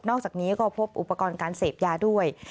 อกจากนี้ก็พบอุปกรณ์การเสพยาด้วย